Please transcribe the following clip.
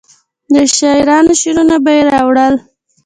د شاعرانو شعرونه به یې راوړل.